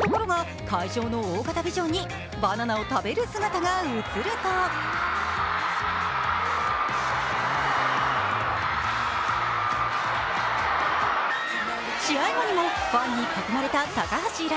ところが会場の大型ビジョンにバナナを食べる姿が映ると試合後にもファンに囲まれた高橋藍。